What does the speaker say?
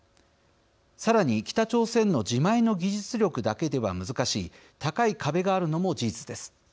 さらに、北朝鮮の自前の技術力だけでは難しい高い壁があるのも事実です。